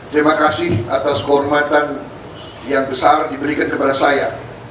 terima kasih atas kehormatan yang besar diberikan kepada saya